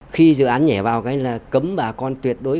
khi dự án nhảy vào cái là cấm bà con tuyệt đối